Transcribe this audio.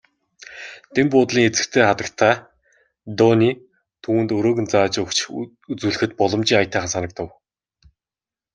Дэн буудлын эзэгтэй хатагтай Дооне түүнд өрөөг нь зааж өгч үзүүлэхэд боломжийн аятайхан санагдав.